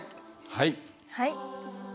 はい。